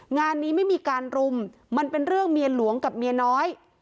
งานนี้ไม่มีการรุมมันเป็นเรื่องเมียหลวงกับเมียน้อย